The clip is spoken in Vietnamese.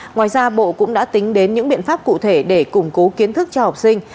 ngoài ra bộ cũng đã tính đến những biện pháp cụ thể để củng cố kiến thức cho học sinh